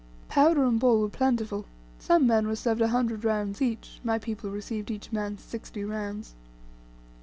Powder and ball were plentiful: some men were served a hundred rounds each, my people received each man sixty rounds.